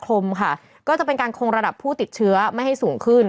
ลมค่ะก็จะเป็นการคงระดับผู้ติดเชื้อไม่ให้สูงขึ้น